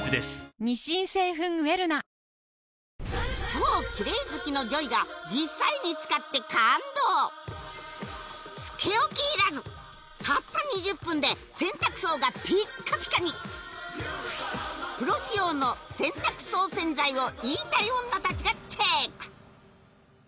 超キレイ好きのＪＯＹが実際に使って感動つけ置きいらずたった２０分で洗濯槽がピッカピカにプロ仕様の洗濯槽洗剤を言いたい女達がチェック